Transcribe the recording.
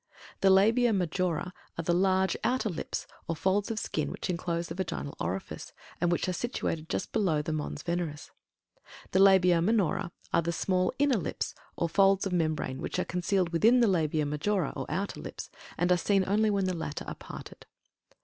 THE LABIA MAJORA are the large "outer lips" or folds of skin which enclose the Vaginal Orifice, and which are situated just below the Mons Veneris. THE LABIA MINORA are the small "inner lips" of folds of membrane, which are concealed within the Labia Majora, or "outer lips," and are seen only when the latter are parted.